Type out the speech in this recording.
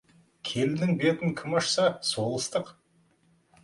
Келіннің бетін кім ашса, сол ыстық.